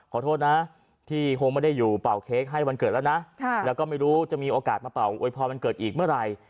ขอโทษนะที่คงไม่ได้อยู่เป่าเค้กให้วันเกิดแล้วนะแล้วก็ไม่รู้จะมีโอกาสมาเป่าอวยพรวันเกิดอีกเมื่อไหร่